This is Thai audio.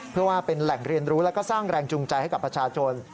เพื่อว่าเป็นแหล่งเรียนรู้แล้วก็สร้างแรงจูงใจให้กับประชาชน